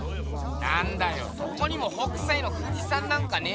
なんだよどこにも北斎の富士山なんかねぇど。